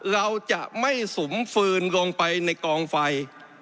เราจะไม่สุมฟืนลงไปในกองไฟ